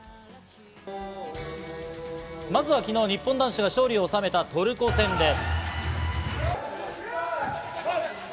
まずは、日本男子が勝利を収めたトルコ戦です。